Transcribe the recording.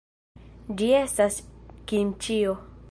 Ĝi estas kimĉio.